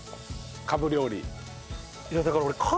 カブ料理。